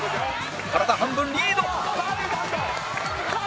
体半分リード